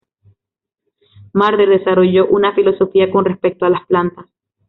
Marder desarrolló una filosofía con respecto a las plantas.